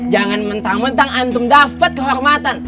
jangan mentang mentang antum dapat kehormatan